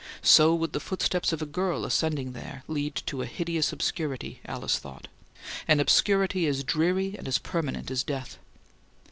So would the footsteps of a girl ascending there lead to a hideous obscurity, Alice thought; an obscurity as dreary and as permanent as death.